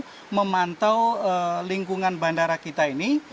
kita memantau lingkungan bandara kita ini